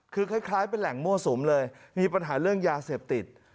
คือคล้ายเป็นแหล่งมั่วสุมเลยมีปัญหาเรื่องยาเสพติด